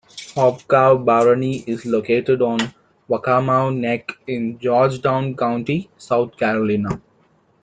Hobcaw Barony is located on Waccamaw Neck in Georgetown County, South Carolina.